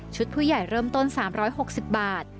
ผู้ใหญ่เริ่มต้น๓๖๐บาท